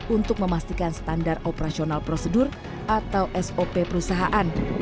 untuk memastikan standar operasional prosedur atau sop perusahaan